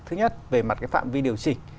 thứ nhất về mặt phạm vi điều chỉnh